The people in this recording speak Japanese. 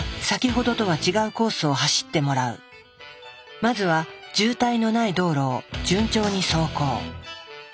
まずは渋滞のない道路を順調に走行。